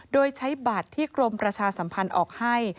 โดยใช้บัตรที่กรมประชาสัมพันธ์ออกให้